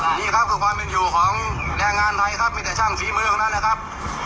นี่ครับคือความเป็นอยู่ของแรงงานไทยครับมีแต่ช่างฝีมือของนั้นนะครับ